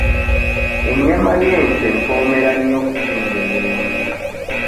Ennyama y'ente empoomera nnyo okusinga ey'embuzi.